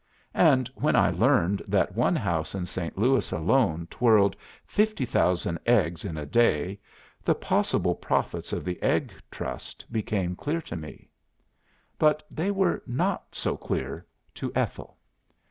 And when I learned that one house in St. Louis alone twirled 50,000 eggs in a day, the possible profits of the Egg Trust became clear to me. But they were not so clear to Ethel.